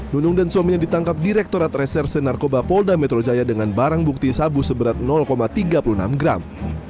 nunung dan suaminya ditangkap direktorat reserse narkoba polda metro jaya dengan barang bukti sabu seberat tiga puluh enam gram